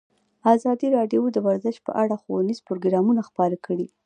ازادي راډیو د ورزش په اړه ښوونیز پروګرامونه خپاره کړي.